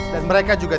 dan mereka juga